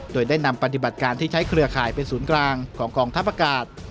โดยได้นำปฏิบัติการที่ใช้เครือข่ายเป็นศูนย์กลางของกองทัพอากาศ